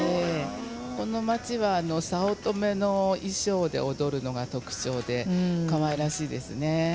この町は早乙女の衣装で踊るのが特徴で、かわいらしいですね。